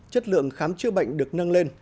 chất lượng khám chữa bệnh được nâng lên